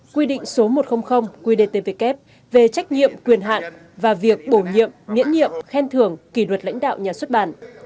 quy định số một trăm linh qdtvk về trách nhiệm quyền hạn và việc bổ nhiệm miễn nhiệm khen thưởng kỷ luật lãnh đạo nhà xuất bản